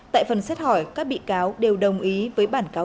tại phần xét hỏi các bị cáo đều đồng ý với bản cáo